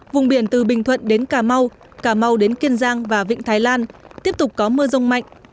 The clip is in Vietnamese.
vùng biển từ bình thuận đến cà mau cà mau đến kiên giang và vịnh thái lan tiếp tục có mưa rông mạnh